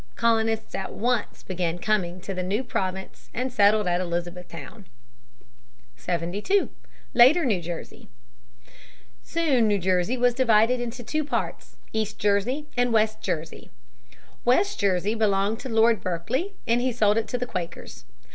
Colonists at once began coming to the new province and settled at Elizabethtown. [Sidenote: East and West Jersey.] [Sidenote: Prosperity.] 72. Later New Jersey. Soon New Jersey was divided into two parts, East Jersey and West Jersey. West Jersey belonged to Lord Berkeley and he sold it to the Quakers.